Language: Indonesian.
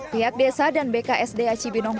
pihak desa dan bksd acibinogu